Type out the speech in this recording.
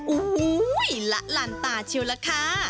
โอ้โฮละลั่นตาชิวละคะ